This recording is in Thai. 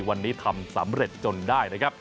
วันนี้ทำสำเร็จจนได้